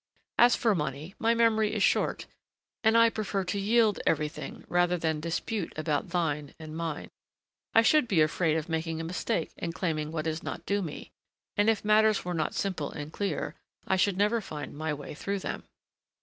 As for money, my memory is short, and I prefer to yield everything rather than dispute about thine and mine. I should be afraid of making a mistake and claiming what is not due me, and if matters were not simple and clear, I should never find my way through them."